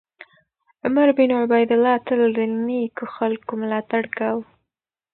عمر بن عبیدالله تل د نېکو خلکو ملاتړ کاوه.